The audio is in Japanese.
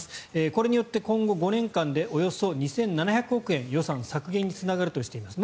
これによって今後５年間でおよそ２７００億円予算削減につながるとしています。